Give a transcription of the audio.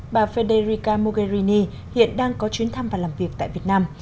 bà federica mogherini hiện đang có chuyến thăm và làm việc tại việt nam